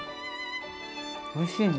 おいしいね！